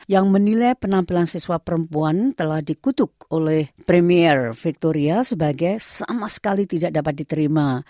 yang menilai penampilan siswa perempuan telah dikutuk oleh premier victoria sebagai sama sekali tidak dapat diterima